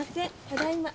ただいま。